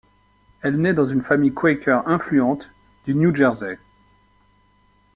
Elle naît dans une famille quaker influente du New Jersey.